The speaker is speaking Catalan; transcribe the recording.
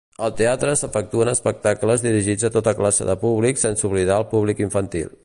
Al teatre s'efectuen espectacles dirigits a tota classe de públic sense oblidar el públic infantil.